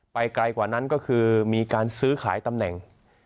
ไกลกว่านั้นก็คือมีการซื้อขายตำแหน่ง